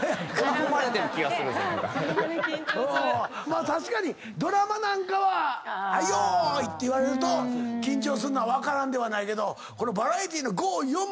まあ確かにドラマなんかは「はいよーい」って言われると緊張すんのは分からんではないけどバラエティーの「５４」まで？